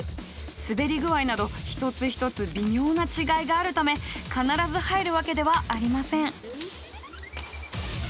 滑り具合など一つ一つ微妙な違いがあるため必ず入るわけではありません。